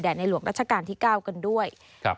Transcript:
ในหลวงรัชกาลที่๙กันด้วย